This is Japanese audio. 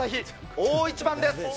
大一番です。